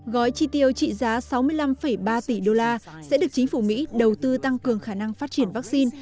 gói chi tiêu trị giá sáu mươi năm ba tỷ đô la sẽ được chính phủ mỹ đầu tư tăng cường khả năng phát triển vaccine